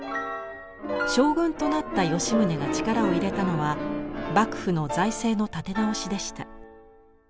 将軍となった吉宗が力を入れたのは幕府の財政の立て直しでした。